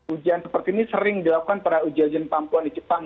ujian seperti ini sering dilakukan pada ujian perempuan di jepang